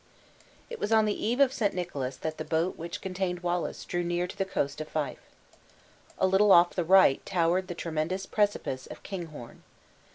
It was on the eve of St. Nicholas that the boat which contained Wallace drew near to the coast of Fife. A little of the right towered the tremendous precipice of Kinghorn.